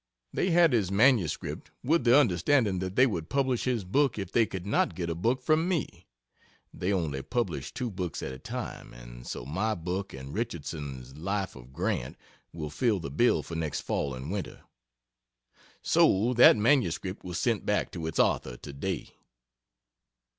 They had his manuscript, with the understanding that they would publish his book if they could not get a book from me, (they only publish two books at a time, and so my book and Richardson's Life of Grant will fill the bill for next fall and winter) so that manuscript was sent back to its author today.